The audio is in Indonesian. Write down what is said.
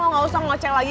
lu gak usah ngocek lagi